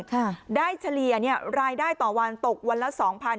ค่ะได้เฉลี่ยเนี่ยรายได้ต่อวันตกวันละสองพัน